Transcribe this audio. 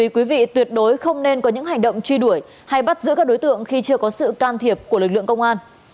để bảo đảm an toàn hết sức lưu ý quý vị tuyệt đối không nên có những hành động truy đuổi hay bắt giữ các đối tượng khi chưa có sự can thiệp của lực lượng công an